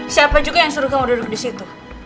siapa juga yang suruh kamu duduk disitu